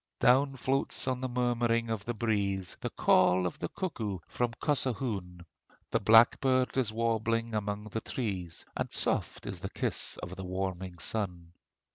Down floats on the murmuring of the breeze The call of the cuckoo from Cossahun, The blackbird is warbling among the trees; And soft is the kiss of the warming sun.